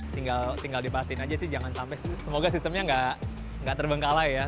tinggal tinggal dipastikan aja sih jangan sampai semoga sistemnya enggak enggak terbengkalai ya